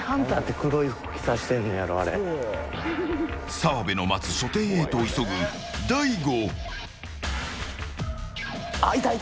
澤部の待つ書店へと急ぐ大悟。